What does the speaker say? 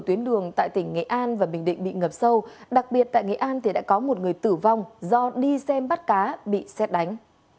tuyến đường tại tỉnh nghệ an và bình định bị ngập sâu đặc biệt tại nghệ an thì đã có một người tử vong do đi xem bắt cá bị xét đánh